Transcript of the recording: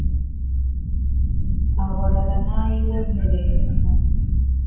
Awalala n'ayiwa emmere yonna.